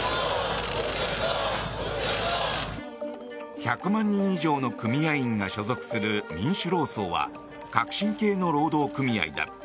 １００万人以上の組合員が所属する民主労総は革新系の労働組合だ。